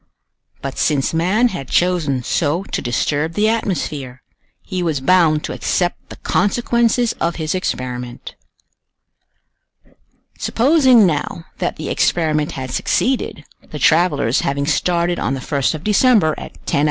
But since man had chosen so to disturb the atmosphere, he was bound to accept the consequences of his experiment. Supposing, now, that the experiment had succeeded, the travelers having started on the 1st of December, at 10h.